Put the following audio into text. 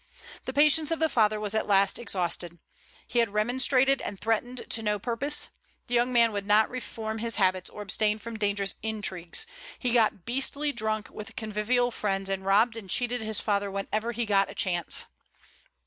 The patience of the father was at last exhausted. He had remonstrated and threatened to no purpose. The young man would not reform his habits, or abstain from dangerous intrigues. He got beastly drunk with convivial friends, and robbed and cheated his father whenever he got a chance.